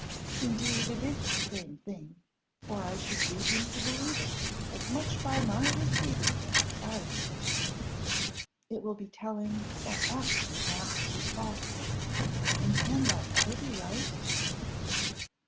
Indeed it is the same thing, for I should lead him to believe it as much by my receiving them in silence; it will be telling or acting an absolute falsehood, and can that ever be right?"